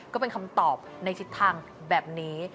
ก็เป็นคำตอบในทิศทางแบบนี้